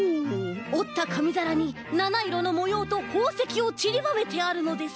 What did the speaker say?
おったかみざらに７いろのもようとほうせきをちりばめてあるのです。